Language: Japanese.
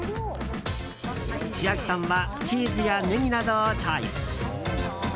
千秋さんはチーズやネギなどをチョイス。